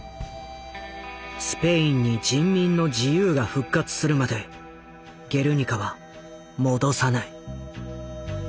「スペインに人民の自由が復活するまでゲルニカは戻さない」。